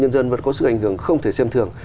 nhân dân vẫn có sự ảnh hưởng không thể xem thường